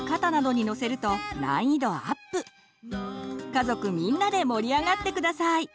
家族みんなで盛り上がって下さい。